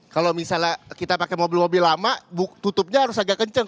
kalau misalnya kita pakai mobil mobil lama tutupnya harus agak kencang